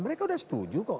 mereka sudah setuju kok